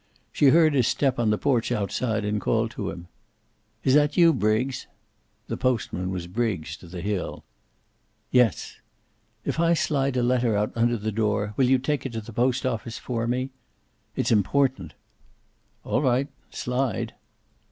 She heard his step on the porch outside, and called to him. "Is that you, Briggs?" The postman was "Briggs" to the hill. "Yes." "If I slide a letter out under the door, will you take it to the post office for me? It's important." "All right. Slide."